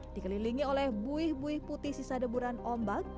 dikelilingi oleh buih buih putih sisa deburan ombak